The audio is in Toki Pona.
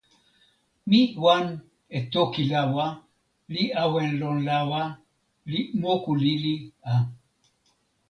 mi wan e toki lawa, li awen lon lawa, li moku lili a.